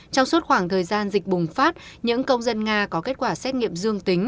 trong suốt khoảng thời gian dịch bùng phát những công dân nga có kết quả xét nghiệm dương tính